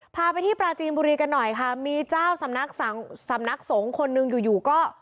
พาไปที่ปราจีนบุรีกันหน่อยค่ะมีเจ้าสำนักสังสำนักสงฆ์คนหนึ่งอยู่อยู่ก็